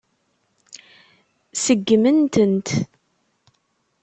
Seggmen-tent.